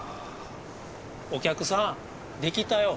お客さんできたよ。